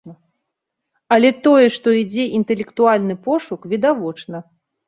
Але тое, што ідзе інтэлектуальны пошук, відавочна.